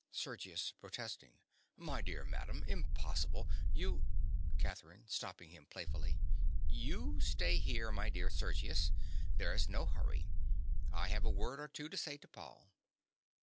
SERGIUS. (protesting). My dear madam, impossible: you— CATHERINE. (stopping him playfully). You stay here, my dear Sergius: there's no hurry. I have a word or two to say to Paul.